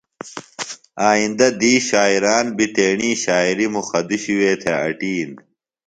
آئندہ دُوئی شاعران بیۡ تیݨی شاعری مخدوشی وے تھےۡ اٹیِن۔